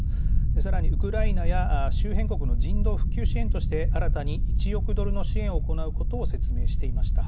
さらにウクライナや周辺国の人道復旧支援として新たに１億ドルの支援を行うことを説明していました。